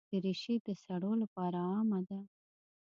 دریشي د سړو لپاره عامه ده.